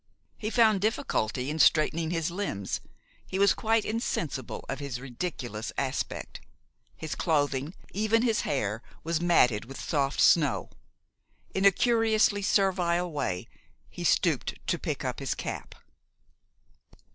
He found difficulty in straightening his limbs. He was quite insensible of his ridiculous aspect. His clothing, even his hair, was matted with soft snow. In a curiously servile way, he stooped to pick up his cap.